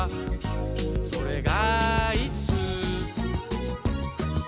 「それがいっすー」